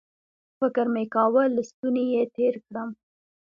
فکر مې کاوه له ستوني یې تېر کړم